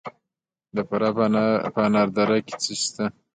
د فراه په انار دره کې څه شی شته؟